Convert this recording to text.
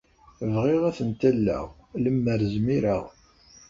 Bɣiɣ ad tent-alleɣ, lemmer zmireɣ.